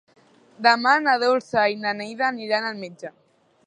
Demà na Dolça i na Neida aniran al metge.